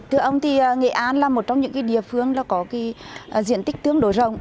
thưa ông thì nghệ an là một trong những địa phương có diện tích tương đối rộng